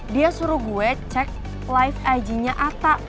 dia suruh gue cek live ig nya atta